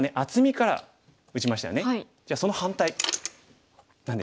じゃあその反対何でしょう？